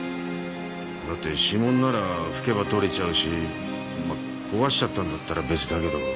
だって指紋ならふけば取れちゃうしまっ壊しちゃったんだったら別だけど。